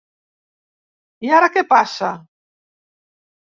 I ara què passa?